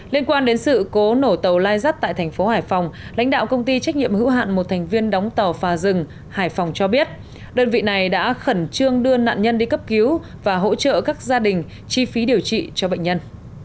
liên quan đến sự cố nổ tàu lai rắt tại thành phố hải phòng lãnh đạo công ty trách nhiệm hữu hạn một thành viên đóng tàu phà rừng hải phòng cho biết đơn vị này đã khẩn trương đưa nạn nhân đi cấp cứu và hỗ trợ các gia đình chi phí điều trị cho bệnh nhân